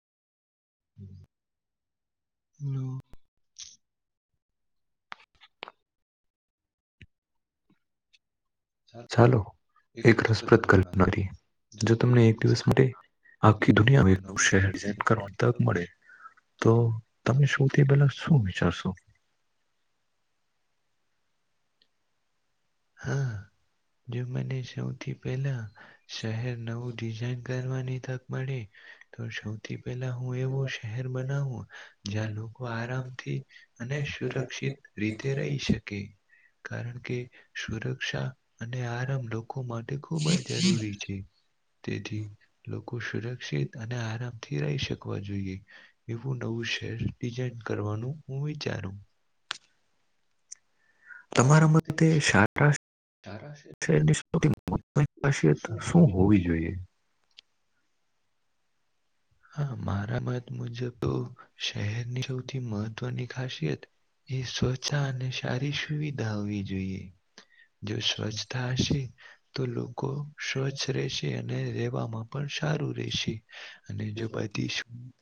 hello sir એક રસપ્રદ કલ્નારી જો તમને એક દિવસ માટે આખી દુનિયામાં એક ન શહેર જૈન કરણ તક મળે તો તમે શુંથી પેલા શું વિચારશો હા જો મને સૌથી પેલા શહેર નવું ડિઝઇન કરવાની તક મળે તો થી પેલા હું એવું શહેર બનાવું જ્યાં લોકો આરામથી અને સુરક્ષિત રીતે રહી શકે કારણ કે સુરક્ષા અને આરામ લોકો માટે ખૂબ જ જરૂરી છે તેથી લોકો સુરક્ષિત અને આરામથી રહી શકવા જોઈએ એવું નવું શહેર ડિઝઇન કરવાનું હું વિચારું તમારા મ સારા તારા છે શહેરની સૌથી મહવની ખાસિયત શું હોવી જોઈએ હા મારા મત મુજબ તો શહેરની સૌથી મહત્વની ખાસિયત એ સ્વચા અને સારી સુવિધા હોવી જોઈએ જો સ્વચ્છતા હશે તો લોકો સ્વચ્છ રહેશે અને રહેેવામાં પણ સારું રેશે વાતી છે